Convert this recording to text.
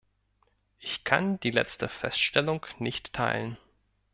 Ich kann die letzte Feststellung nicht teilen.